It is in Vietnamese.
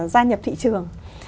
gia nhập thị trường